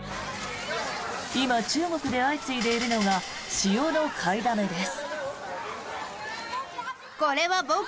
今、中国で相次いでいるのが塩の買いだめです。